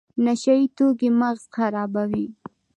نشه یي توکي مغز خرابوي